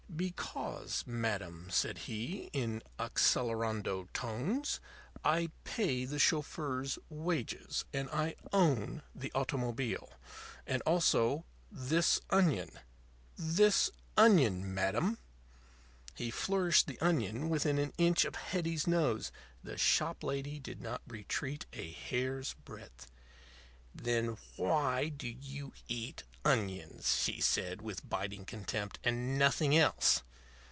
"Because, madam," said he, in accelerando tones, "I pay the chauffeur's wages and I own the automobile and also this onion this onion, madam." He flourished the onion within an inch of Hetty's nose. The shop lady did not retreat a hair's breadth. "Then why do you eat onions," she said, with biting contempt, "and nothing else?"